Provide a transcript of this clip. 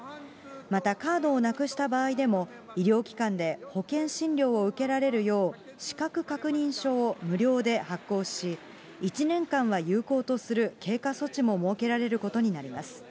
また、カードをなくした場合でも、医療機関で保険診療を受けられるよう、資格確認書を無料で発行し、１年間は有効とする経過措置も設けられることになります。